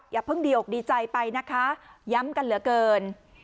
อย่าเพิ่งดีอกดีใจไปนะคะย้ำกันเหลือเกิน